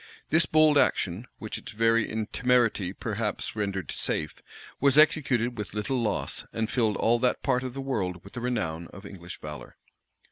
This bold action, which its very temerity perhaps rendered safe, was executed with little loss, and filled all that part of the world with the renown of English valor.